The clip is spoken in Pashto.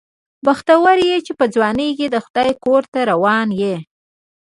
بختور یې چې په ځوانۍ کې د خدای کور ته روان یې.